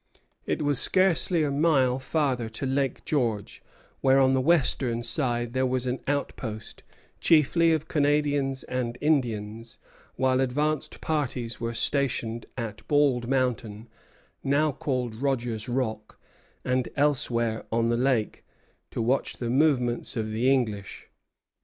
It was scarcely a mile farther to Lake George, where on the western side there was an outpost, chiefly of Canadians and Indians; while advanced parties were stationed at Bald Mountain, now called Rogers Rock, and elsewhere on the lake, to watch the movements of the English.